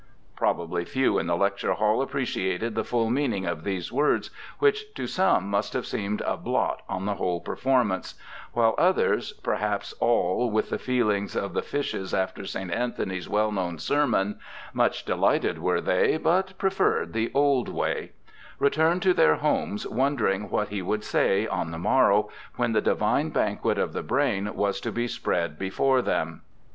Probably few in the lecture hall appreciated the full meaning of these words, which to some must have seemed a blot on the whole performance ; while others, perhaps, all with the feehngs of the fishes after St. Anthony's well known sermon, Much delighted were they, But preferred the old way, returned to their homes wondering what he would sa} on the morrow when the ' divine banquet of the brain ' was to be spread before them.